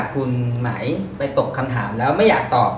คุณไหนไปตกคำถามแล้วไม่อยากตอบ